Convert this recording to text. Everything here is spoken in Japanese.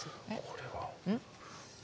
これは。